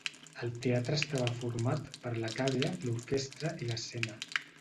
El teatre estava format per la càvea, l'orquestra i l'escena.